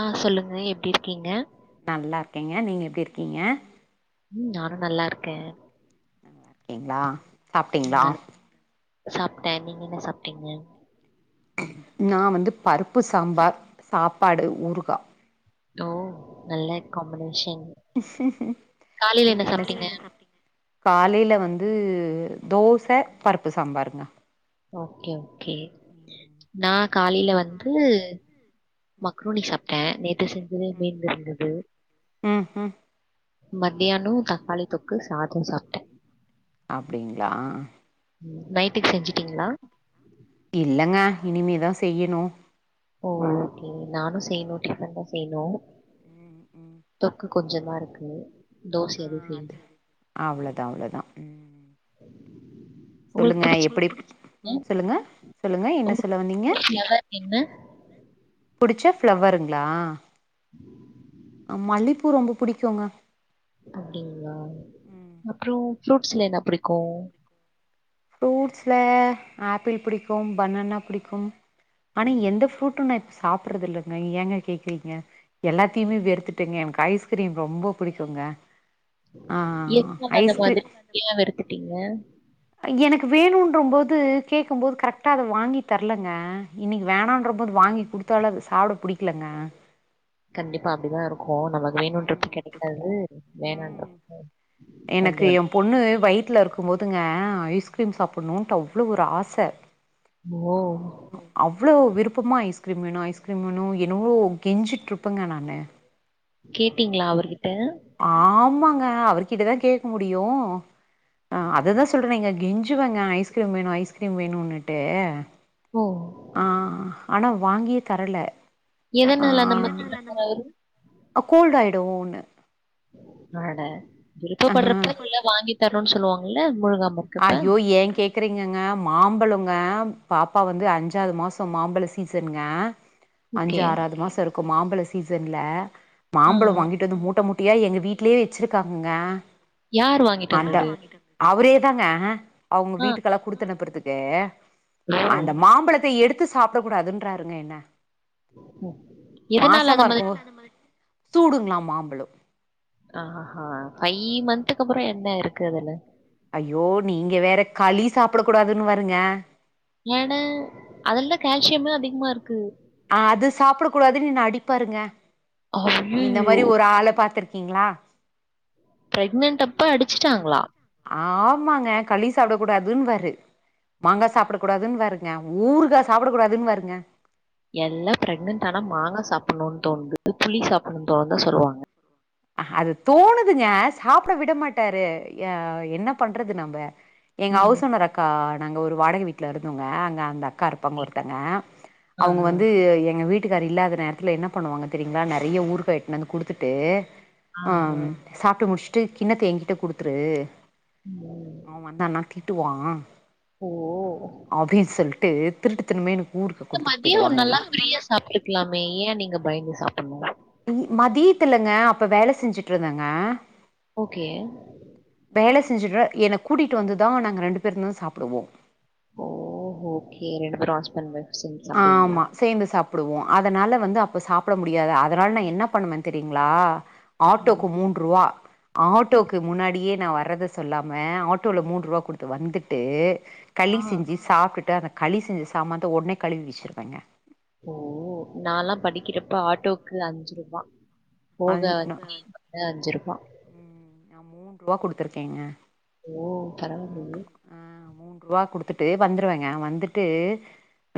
ஆ சொல்லுங்க எப்டி இருக்கீங்க நல்லாருக்கேங்க நீங்க எப்டி இருக்கீங்க ம் நானு நல்லாருக்கே நல்லா இருக்கீங்ளா ம் நல்ல [inaudible] சாப்ட்டே நீங்க என்ன சாப்ட்டீங்க நா வந்து பருப்பு சாம்பார் சாப்பாடு ஊறுகா ஓ நல்ல காம்பினேஷன் காலையில நீங்க என்ன செ சாப்ட்டீங்க? காலைல வந்து தோச பருப்பு சாம்பாருங்க ஓகே ஓகே நா காலைல வந்து மக்ரூனி சாப் ட்டே நேத்து செஞ்சது மீந்து இருந்துது ம் ம் மதியானோ தக்காளி தொக்கு சாதோ சாப்ட்ட அப்டிங்ளா உம் நைட்க்கு செஞ்சுட்டீங்ளா இல்லங்க இனிமே தா செய்யணும் ஓ ஓகே நானு செய்யணு டிஃபன் தா செய்யணும் ம் ம் தொக்கு கொஞ்சந்தா இருக்கு தோச ஆ எதுவு அது செய்யணும் அவ்ளோதா அவ்ளோதா உங்களுக்கு சொல்லுங்க பிடிச்ச எப்டி சொல்லுங்க சொல்லுங்க என்ன உங்களுக்கு சொல்ல வந்தீங்க பிடிச்ச ஃப்ளவர் என்ன? பிடிச்ச ஃப்ளவருங்களா [inaudible] மல்லிப்பூ ரொம்ப பிடிக்குங்க அப்டிங்களா ம் அப்றோம் ப்ரூட்ஸ்ல என்ன புடிக்கும் ஃப்ரூட்ஸ்ல ஆப்பிள் பிடிக்கும் பனானா பிடிக்கும் ஆனால் எந்த ஃப்ரூட்டும்ன்னா சாப்றது இல்லைங்க ஏங்க கேக்குறீங்க எல்லாத்தையுமே வெர்த்துட்டேங்க எனக்கு ஐஸ்கிரீம் ரொம்ப பிடிக்குங்க ஆ ஐஸ்க்ரீ ஏ வெறுத்துட்டீங்க எனக்கு வேணுன்ற போது கேக்கும்போது கரெக்டா அத வாங்கி தரலங்க இன்னைக்கு வேணான்ற போது வாங்கி குடுத்தாலும் அது சாப்ட பிடிக்கலங்க கண்டிப்பா அப்டிதா இருக்கும் நமக்கு வேணுன்ரப்ப ம் கெடைக்காது ம் வேனான்றப்ப எனக்கு எ பொண்ணு வயித்ல இருக்கும்போதுங்க ஐஸ்கிரீம் சாப்ணுன்ட்டு அவ்ளோ ஒரு ஆச ஓ அவ்ளோ விருப்பமா ஐஸ்கிரீம் வேணும் ஐஸ்கிரீம் வேனும் எனவோ கெஞ்சிட்ருப்பேங்க நான் கேட்டீங்ளா அவர்கிட்ட ஆமாங்க அவர்கிட்ட தா கேட்க முடியும் அ அததான் சொல்றேன்ங்க கெஞ் சு வேங்க ஐஸ்கிரீம் வேணும் ஐஸ்கிரீம் வேணும்ன்ட்டு ஓ ஆ ஆனா வாங்கியே தரல எதனால அந்த ஆ மாரி கத்துறாரு கோல்டு ஆயிடுண்ணு அ ட ஆ விருப்பப்படுறப்ப எல்லா வாங்கி தரணும்ன்னு சொல்லுவாங்கல்ல முழுகாம இருக்கப்ப. அயோ ஏன் கேக் கேக்குறகங்க மாம்பழங்க பாப்பா வந்து அஞ்சாவது மாசோம் மாம்பழ சீசனுங்க அஞ்சு ஓகே. ஆறாவது மாசோம் இருக்கும் மாம்பழ சீசன்ல ஆ. மாம்பழம் வாங்கிட்டு வந்து மூட்ட மூட் எங்க வீட்லயே வச்சிருக்காங்கங்க யார் வாங்கிட்டு அந்த வந்தது? அவரே ங்க அவுங்க ஆ. வீட்டுக்கெல்லாம் குடுத்தனுப்புறதுக்கு ஓ! அந்த மாம்பழத்த எடுத்து எடுத்து சாப்பிட கூடாதுன்றாருங்க என்ன ம். எதனால மாசமா அந்த மாதிரி இருக்கும் போ சூடுங்ளா மாம்பழோ ஆஹா ஃபைவ் மந்த்க்கு அப்றோ என்ன இருக்கு அதுல ஐயோ நீங்க வேற களி சாப்ட கூடாதுன்வாருங்க ஏட அதுல்ல கால்சியமே அதிகமா இருக்கு அது சாப்ட கூடாதுன்னு என்ன அடிப்பாருங்க இந்த அய்யய்யோ! மாரி ஒரு ஆள பாத்துருக்கீங்ளா பிரெக்னன்ட் அப்ப அடுச்சிட்டாங்ளா ஆமாங்க களி சாப்ட கூடாதுன்பாரு மாங்கா சாப்டக்கூடாதுன்னுவாருங்க ஊருகா சாப்டக்கூடாதுன்னுவாருங்க எல்லாம் பிரெகனன்ட் ஆனா மாங்க சாப்டணுன்னு தோணுது புளி சாப்டணும்னு தோணுது தா சொல்லுவாங்க ஹ அது தோணுதுங்க சாப்ட விடமாட்டாரு யா என்ன பண்றது நம்ப எங்க ம். ஹவுஸ் ஓனர் அக்கா நாங்க ஒரு வாடக வீட்ல இருந்தோங்க அங்க அந்த அக் காருப்பாங்க ஓகே. ஒர்த்தங்க ஆ, அவுங்க ஆ. வந்து எங்க வீட் வீட்டுக்காரு இல்லாத நேரத்ல என்ன பண்ணுவாங்க தெரிங்களா நெறய ஊறுகா எட்னு வந்து குடுத்துட்டு ஆஹா. ஆம் சாப்ட்டு முஷ்ட்டு கின்னத்த எங்கிட்ட குடுத்துரு ம். அவன் வந்தான்னா கேப் டுவான் ஓ அப்டின் சொல்ட்டு திருட்டு தனமே எனக் மதியோ நல்லா ஃப்ரீயா சாப்ட்டுருக்கலாமே ஏ நீங்க பயந்து சாப்புட்னு மதியத்துலங்க அப்ப வேல செஞ்சுட்ருந்தங்க ஓக்கே வேல செஞ்சுட்ற என்ன கூட்டிட்டு வந்துதா நாங்க ரெண்டு பேருந்தா சாப்டுவோ ஓ ஓக்கே ரெண்டு பேரும் ஹஸ்பண்ட் ஒய்ஃவ் ஆமா சேந்து சாப்டுவோ அதனால வந்து அப்ப சாப்ட முடியாது அதனால நா என்ன பண்ணுவ தெரிங்ளா ம். ஆட்டோக்கு மூண்ருவா ஆட்டோக்கு முன்னாடியே நா வர்றத சொல்லாம ஆட்டோல மூண்ருவா குடுத்து வந்துட்டு களி ஆ. செஞ்சி சாப்டுட்டு அந்த களி செஞ்ச சாமான்ந்த ஒட்னே கழுவி வெச்சிருவங்க ஓ நாலா படிக்கிறப்ப ஆட்டோக்கு அஞ்சுருபா போக அந் நா அஞ்சி வர ர அஞ்ஜிருபா நா மூண்ருவா குடுத்துருக்கேங்க ஓ பரவால்லியே மூன்று ஆ மூண்ருவா குடுத்துட்டு வந்ருவேங்க வந்துட்டு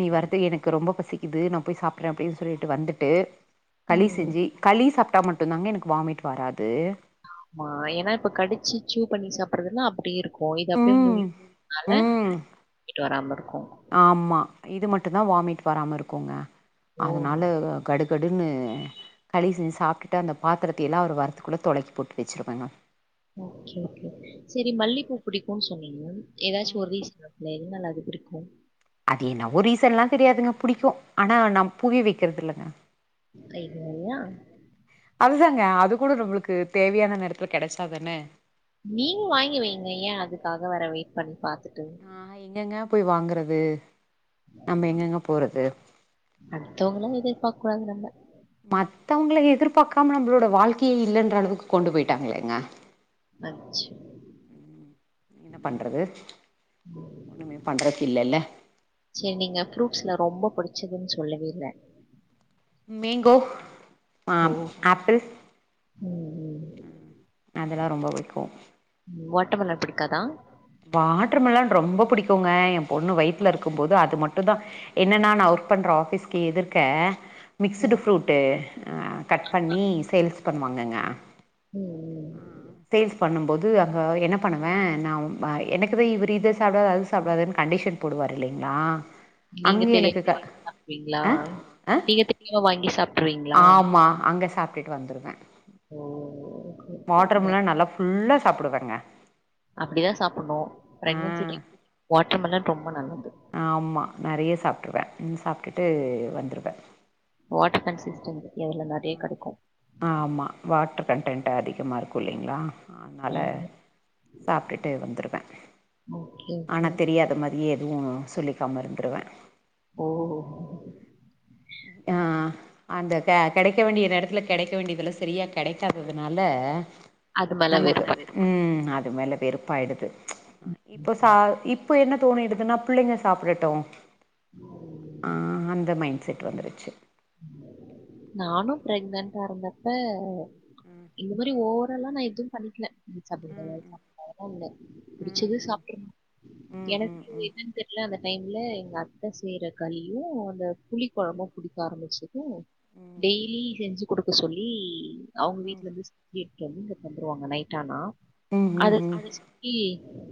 நீ வர்றத்துக் எனக்கு ரொம்ப பசி கிது நா போய் சாப்ட்ற அப்டின் சொல்லிட்டு வந்துட்டு களி ம். செஞ்சி களி சாப்டா மட்டுந்தாங்க எனக்கு வாமிட் வராது ஆமா ஏனா இப்ப கடிச்சி ச்யூ பண்ணி சாப்பர்றதுல்லா அப்டேருக் கோ இது அப்டியே ம் முழிங் லால ம் மிட் வராம இருக்கோ ஆமா இது மட்டுதா வாமிட் வராமருக்கோங்க ஓ! அதனால கடுகடுன்னு களி செஞ் சாப்டுட்டு அந்த பாத்ரத்தியல்லா அவரு வரத்துக்குள்ள தொலக்கி போட்டு வெச்ருவேங்க ஓக்கே ஓக்கே செரி மல்லிப்பூ புடிக்குன் சொன்னிங்க ஏதாச்சு ஒரு ரீசன் இல்ல எத்நால அது புடிக்கோ அது என்னவோ ரீசன்லா தெரியாதுங்க புடிக்கோ ஆனா நா பூவே வெக்கர்து இல்லங்க ஐயோ யா அதுதாங்க அது கூட நம்ளுக்கு தேவயான நேரத்துல கெடச்சாதான நீங் வாங்கி வைங்க ஏ அதுக்காக வேற வெய்ட் பண்ணி பாத்துட்டு நா எங்கங்க போய் வாங்குறது நம்ம எங்கங்க போறது அட்தவுங்ளோ எதிர்பாக்கூடாது நம்ப மத்தவங்ள எதிர்பாக்காம நம்ளோட வாழ்க்கயே இல்லன்ற அளவுக்கு கொண்டு போய்ட்டாங்லேங்க அச்சோ ம் என்ன பண்றது ஒன்னுமே பண்றத் இல்லல்ல சேர் நீங்க ஃப்ரூட்ஸ்ல ரொம்ப புடிச்சதுன்சொல்லவே இல்ல மேங்கோ ஓ! ஆம் ஆப்பிள் ம், ம் அதலா ரொம்போ புடிக்கோ வாட்டமெலான் புடிக்காதா வாட்ரு மெலான் ரொம்போ புடிக்கோங்க எ பொண்ணு வய்த்துல இருக்கும்போது அது மட்டுந்தா என்னெனா நா ஒர்க் பண்ற ஆஃபீஸ்க்கு எதிர்க்க மிக்ஸ்டு ம். ஃப்ரூட்டு கட் பண்ணி சேல்ஸ் பண்ணுவாங்கங்க ம் ம் சேல்ஸ் பண்ணும்போது அஹா என்ன பண்ணுவே நா உ வ எனக்குதா இவுறு இத சாப்டாத அத சாப்டாதன் கண்டிஷன் போடுவாரு இல்லைங்ளா நீங்க அங்கே தெரியாம எனக்கு க வாங்கி சாப்டுவீங்களா? அ அ நீங்க தெரியாம வாங்கி சாப்ட்ருவீங்களா? ஆமா அங்க ச ப்ட்டுட்டு வந்துருவே ஓ ஓகே. ஓகே. நான் வாட்டர்மெலான் நல்லா ஃபுல்லா சாப்டுவேங்க அப்டிதா சாப்புட்ணு ஆ பிரெக்னென்சிக்கு வாட்ருமெலான் ரொம்ப நல்லது ஆமா நெறைய சாப்ட்ருவே சாப்டுட்டு வந்துறுவே வாட்ரு கன்சிஸ்டன் எதுல நெறைய கடைக்கு ஆமா வாட்ரு கன்டெயின்ட் அதிகமா இருக்கு இல்லைங்ளா அதனால ஆமா. சாப்டுட்டு வந்துருவே ஓகே, ஆனா ஓகே. தெரியாத மா ரி எதுவு சொல்லிக்காம இருந்துருவே ஓ ஆ அந்த கெ கெடைக்க வேண்டிய நேரத்துல கெடைக்க வேண்டியதுலா செரியா கெடைக்காததுனால அது மேல நமக்கு வெறுப்பா ம் அது மேல வெறுப்பாயிடுது இப்போ சா இப் இப்போ என்ன தோணிடுதுன்னா பிள்ளைங்க சாப்டட்டு ஆ அந்த மைண்ட் செட்டு வந்துருச்சு நானும் பிரெக்னன்டா இருந்தப்ப இந்த மாதிரி ஓவராலா நா எதும் பண்ணிக்கல இது சாப்ட கூடாது அது சாப்ட கூடாதுன்லா இல்ல ம் பிடிச்சது சாப்டுட்றனு ம் எனக்கு ம் ம் என்னன்னு தெரியல அந்த டைம்ல எங்க அத் த செய்யற கலியு அந்த புளி கொழம்பு புடிக்க ஆரம்பிச்சது டெய்லி செஞ்சு குடுக்க சொல்லி அவுங்க வீட்டுல இருந்து செஞ்சு எடுத்து வந்து இங்க தந்துருவாங்க நைட் ஆனா ம் ம் அது ம் ம் [inaudible]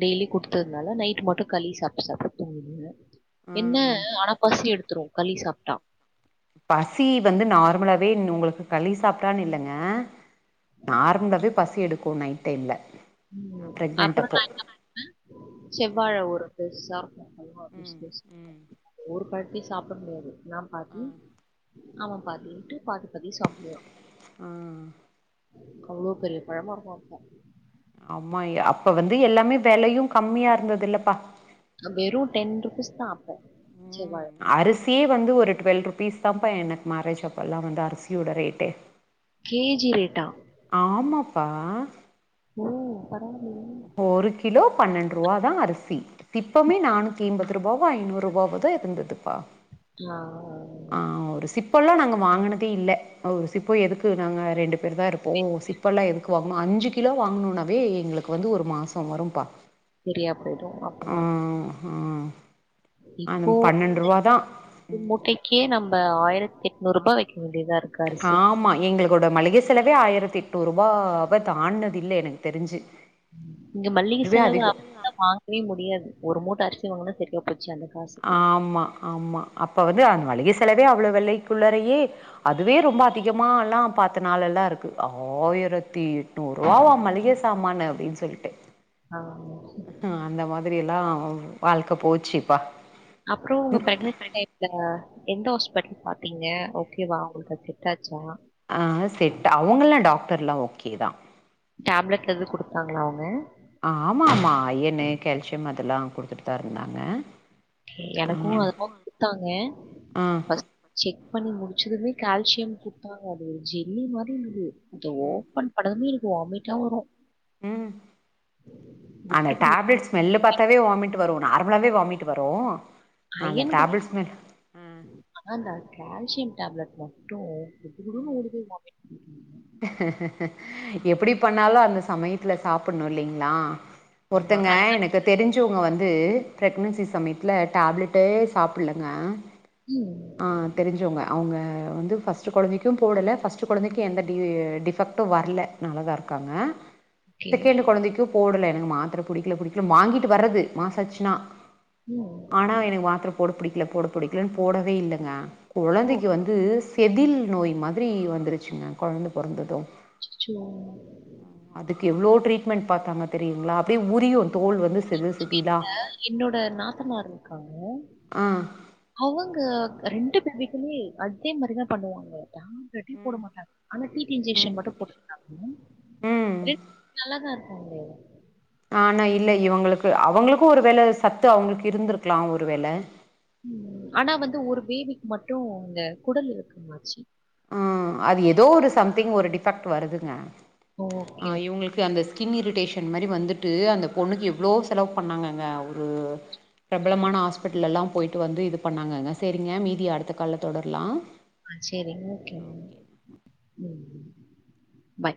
டெய்லி குடுத்ததுனால நைட் மட்டு களி சாப்டு சாப்ட்டு தூங்குனங்க ஆ என்ன ஆ அ ஆனா பசி எடுத்துரு களி சாப்ட்டா பசி வந்து நார்மலாவே உங்களுக்கு களி சாப்ட்டான்னு இல்லங்க நார்மலாவே பசி எடுக்கு நைட் டைம்ல ம் ப்ரெக்னென்ட் அப்புறம் அப்போ நா என்ன பண்ணுவே செவ்வாழ ஒரு இது பெருசா ம் ம் [unintelligible] ஒரு வாட்டி சாப்பட முடியாது நா பாதி ஆ அவ பாதின்ட்டு பாதி பாதி சாப்டுவோ ஆ அவ்ளோ பெரிய பழமா இருக்கு அப்போ ஆமா அப்ப வந்து எல்லாமே வெலையு கம்மியா இருந்ததுல்லப்பா வெறும் டென் ருபீஸ் தா அப்ப ம். செவ்வாழ அரிசியே வந்து ஒரு டுவெல்வ் ருபீஸ் தான்ப்பா எனக்கு மேரேஜ் அப்போல்லா வந்து அரிசியோட ரேட்டே கே ஜி ரேட்டா ஆமாப்பா ஓ பரவால ஒரு கிலோ பன்னெண்டு ருவா தா அரிசி சிப்பமே நானூத்தி எம்பது ரூபாவோ ஐநூறு ரூபாவோதா இருந்ததுப்பா ஆ ஆ ஆ ஒரு சிப்பெல்லா நாங்க வாங்கினதே இல்ல ஒரு சிப்போ எதுக்கு நாங்க ரெண்டு பேரு தா இருப்போ சிப்ப எல்லா எதுக்கு வாங்கணு அஞ்சு கிலோ வாங்கணும்னாவே எங்களுக்கு வந்து ஒரு மாச வரும்பா சரியா போயிடும். ஆ அப்பன்னா, ஆ அந்த இப்போ ரூ. தான். ஒரு ம். மூட்டைக்கே நம்ம ஆயிரத்தி எட்நூறு ரூபா வைக்க வேண்டியதா இருக்கு அரிசிக்கு. ஆமா எங்களுக் எங்ளோட மளிகை செலவே ஆயிரத்தி எட்நூரூபாவ தாண்டுனதுல்ல எனக்கு தெரிஞ்சு இங்க மளிக அதுவே செலவு [inaudible] அதிகோ ல்லா வாங்கவே முடியாது ஒரு மூட்ட அரிசி வாங்கன்னா சரியா போச்சு அந்த காசு ஆமா ஆமா அப்ப வந்து அந்த மளிக செலவே அவ்வளோ விலைக்குள்ளரையே அதுவே ரொம்ப அதிகமால்லா பாத்த நாள் எல்லா இருக்கு ஆயிரத்தி நூறுரூவாவா மளிக சாமானு அப்படின் சொல்லிட்டு ஆ ஆ அந்த மாதிரி எல்லா வாழ்க்கை போச்சுப்பா அப்பறோ உங்க பிரெக்னன் டைம் இல்லங்க எந்த ஹாஸ்பிட்டல் பாத்தீங்க ஓகேவா உங்களுக்கு அது செட்டாச்சா ஆ செட் அவங்களலா டாக்டர்லா ஓகே தா டேப்லெட் எதுவு கு டுத்தாங்களா அவங்க ஆமா ஆமா அயன் கல்சியம் அதெல்லா குடுத்துட்டு தா இருந்தாங்க எனக்கு அததா ஆ குடுத்தாங்க ஆ பஸ் செக் பண்ணி முடிச்சதுமே கால்சியம் குடுத்தாங்க அது ஒரு ஜெல்லி மாரி இருந்தது அத ஓபன் உடனே எனக்கு வாமிட்டா வரு ம் ஆனா குடு குடு டேப்லெட்ஸ் ஸ்மெல்லு பாத்தாவே வாமிட் வரு நார்மலாவே வாமிட் வரு அந்த அயன் குடு டேப்லெட் ஸ்மெல் ஆனா இந்தா கால்சியம் டேப்லெட் மட்டு குடு குடுனு ஓடுது வாமிட் [inaudible] எப்டி பண்ணாலு அந்த சமயத்துல சாப்பணு இல்லிங்ளா பண்ணா ஒர்த்தங்க அது- எனக்கு தெரிஞ்சவங்க வந்து ப்ரெக்னன்சி சமயத்ல டேப்லெட்டே சாப்புலங்க ம் ஆ தெரிஞ்சவங்க அவங்க வந்து ஃபஸ்ட்டு கொழந்தைக்கு போடல ஃபஸ்ட்டு கொழந்தைக்கு எந்த டி டிஃபெக்ட்டு வரல நல்லதா இருக்காங்க ஓகே செகண்ட் கொழந்தைக்கு போடல எனக்கு மாத்திர புடிக்கல புடிக்கல வாங்கிட்டு வர்றது மாசாச்சுன்னா ம் ஆனா எனக்கு மாத்திர போட புடிக்கல போட புடிக்கலு போடவே இல்லைங்க ஓ கொழந்தைக்கு வந் து செதில் நோய் மாதிரி வந்துருச்சுங்க கொழந்த பொறந்தது ச்சச்சோ அதுக்கு எவ்வளோ ட்ரீட்மெண்ட் பாத்தாங்க தெரியுங்களா அப்டே உரியு தோல் வந்து செதில் செதிலா என்னோட நாத்தனாரு க்காங்க ஆ. அவங்க ரெண்டு பேர் வீட்டுமே அத் அதே மாரிதா பண்ணுவாங்க ஆமாங்க டீ போட மாட்டாங்க ஆனா டி டி ம். இன்ஜெக்ஷன் மட்டு போட்டு ம். [unintelligible] ரெ நல்லதா இருக்கும்ங்ளே ஆனா இல்ல இவங்களுக்கு அவங்களுக்கு ஒரு வேல சத்து அவங்களுக்கு இருந்தருக்கலா ஒரு வேல ம் ஆனா வந்து ஒரு பேபிக்கு மட்டு இங்க குடல் இறக்கமாச்சி ஆ அது ஏதோ ஒரு சம்திங் ஒரு டிஃபெக்ட் வருதுங்க ஓகே ஆ இவங்ளுக்கு அந்த ஸ்கின் இரிட்டேஷன் மாரி வந்துட்டு அந்த பொண்ணுக்கு எவ்ளோ செலவு பண்ணாங்கங்க அவ்ரு பிரபலமான ஹாஸ்பிட்ல எல்லா போயிட்டு வந்து இது பண்ணாங்கங்க சரிங்க மீதி அடுத்த கால்ல தொடர்லா ஆ செரி ஓகேங்க ம் பாய்